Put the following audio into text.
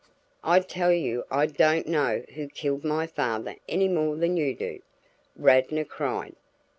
"I tell you I don't know who killed my father any more than you do," Radnor cried.